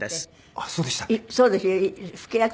あっそうでしたっけ？